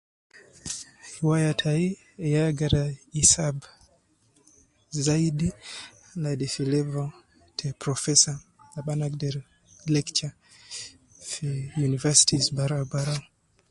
Riwaya tayi ya agara hisab zayidi, laadi fi level ta proffesor, abu ana agider lecture fi universities barawu barawu.